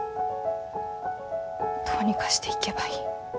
どうにかして行けばいい。